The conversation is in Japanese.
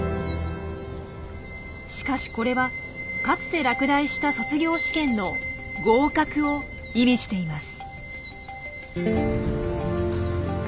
しかしこれはかつて落第した卒業試験の合格を意味しています。